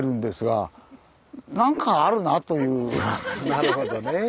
なるほどね。